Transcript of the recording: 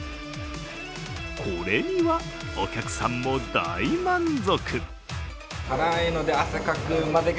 これには、お客さんも大満足。